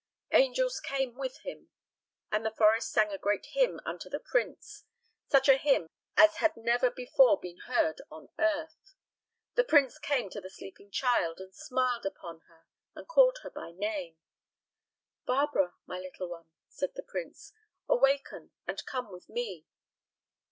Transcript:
Angels came with him, and the forest sang a great hymn unto the prince, such a hymn as had never before been heard on earth. The prince came to the sleeping child and smiled upon her and called her by name. "Barbara, my little one," said the prince, "awaken, and come with me."